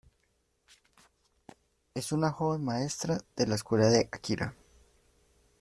Es una joven maestra de la escuela de Akira.